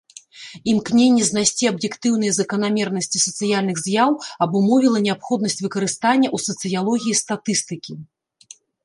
Імкненне знайсці аб'ектыўныя заканамернасці сацыяльных з'яў абумовіла неабходнасць выкарыстання ў сацыялогіі статыстыкі.